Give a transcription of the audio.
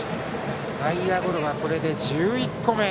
内野ゴロはこれで１１個目。